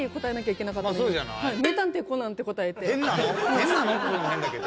「変なの」って言うのも変だけど。